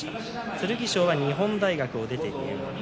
剣翔は日本大学を出ています。